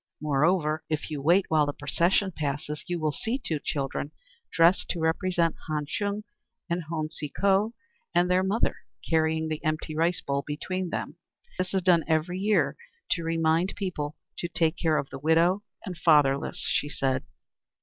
"Moreover, if you wait while the procession passes, you will see two children dressed to represent Han Chung and Ho Seen Ko, and their mother, carrying the empty rice bowl, between them; for this is done every year to remind people to take care of the widow and fatherless," she said.